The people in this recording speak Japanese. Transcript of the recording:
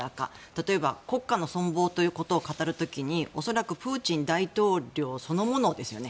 例えば国家の存亡ということを語る時に恐らくプーチン大統領そのものですよね。